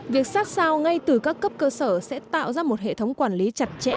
việc sát sao ngay từ các cấp cơ sở sẽ tạo ra một hệ thống quản lý chặt chẽ